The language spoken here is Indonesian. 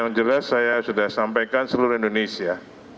yang jelas saya sudah sampaikan seluruh indonesia